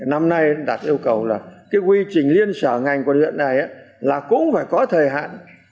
năm nay đặt yêu cầu là cái quy trình liên sở ngành quận huyện này là cũng phải có thời hạn